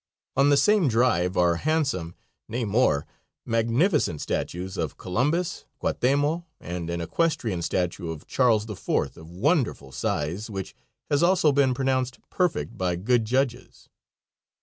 On the same drive are handsome; nay more, magnificent statues of Columbus, Quatemoc, and an equestrian statue of Charles IV. of wonderful size, which has also been pronounced perfect by good judges.